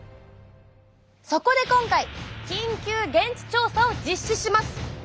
そこで今回緊急現地調査を実施します。